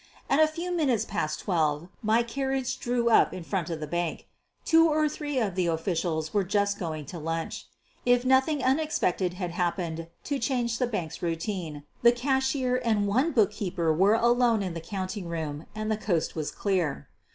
At a few minutes past twelve my carriage drew up in front of the bank. Two or three of the of ficials were just going to lunch. If nothing un expected had happened to change the bank's routine/ the eashier and one bookkeeper were alone in the counting room and the coast was clear.